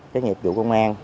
cái nhiệm vụ công an